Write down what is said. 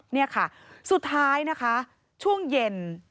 นี่ค่ะสุดท้ายนะคะช่วงเย็น